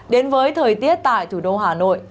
đến với thời tiết tại thủ đô hà nội